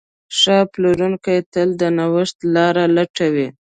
ښه پلورونکی تل د نوښت لاره لټوي.